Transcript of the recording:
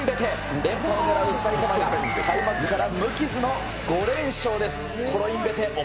連覇を狙う埼玉が開幕から無傷の５連勝です。